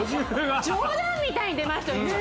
冗談みたいに出ましたよね